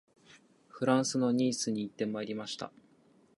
フランスのニースに行ってまいりました